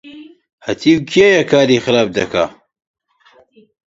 هەتیو کێیە کاری خراپ دەکا؟